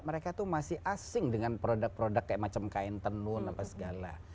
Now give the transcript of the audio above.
mereka tuh masih asing dengan produk produk kayak macam kain tenun apa segala